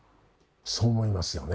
そう思いますよね？